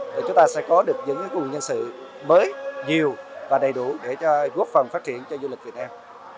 để chúng ta sẽ có được những nguồn nhân sự mới nhiều và đầy đủ để góp phần phát triển cho du lịch việt nam